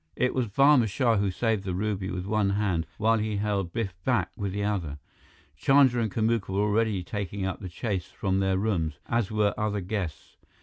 It was Barma Shah who saved the ruby with one hand, while he held Biff back with the other. Chandra and Kamuka were already taking up the chase from their rooms, as were other guests.